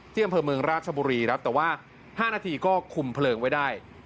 ที่อำเภอเมืองราชบุรีครับแต่ว่า๕นาทีก็คุมเพลิงไว้ได้